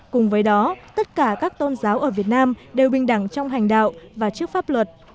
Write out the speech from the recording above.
cùng với đó tất cả các tôn giáo ở việt nam đều bình đẳng trong hành đạo và trước pháp luật